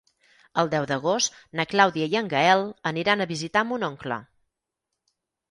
El deu d'agost na Clàudia i en Gaël aniran a visitar mon oncle.